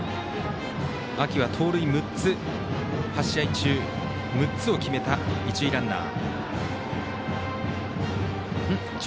秋は盗塁を８試合中６つを決めた一塁ランナー。